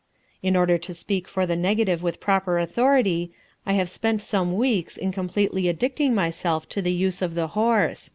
In order to speak for the negative with proper authority, I have spent some weeks in completely addicting myself to the use of the horse.